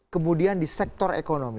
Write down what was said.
kemudian di sektor ekonomi